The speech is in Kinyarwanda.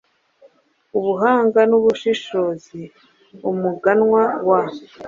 Ubuhanga nubushishozi Umuganwa wa